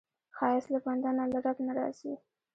ښایست له بنده نه، له رب نه راځي